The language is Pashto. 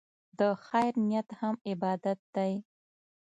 د خیر نیت هم عبادت دی.